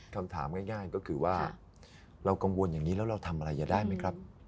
คำถามง่ายก็คือว่าเรากังวลอย่างนี้แล้วเราทำอะไรจะได้ไหมครับ